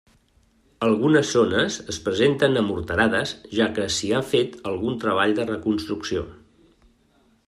Algunes zones es presenten amorterades, ja que s'hi ha fet algun treball de reconstrucció.